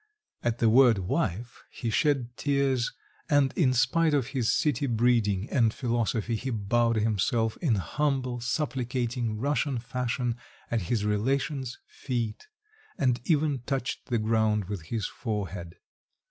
At the word "wife" he shed tears, and in spite of his city breeding and philosophy he bowed himself in humble, supplicating Russian fashion at his relations' feet, and even touched the ground with his forehead.